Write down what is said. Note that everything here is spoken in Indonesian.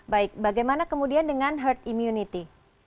baik bagaimana kemudian dengan herd immunity